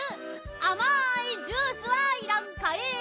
あまいジュースはいらんかえ。